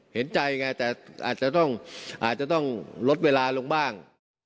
เห็นใจไงแต่อาจจะต้องลดเวลาลงบ้าง